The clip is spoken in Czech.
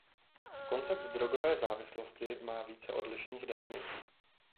Koncept drogové závislosti má více odlišných definicí.